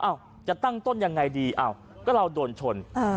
จะตั้งต้นยังไงดีอ้าวก็เราโดนชน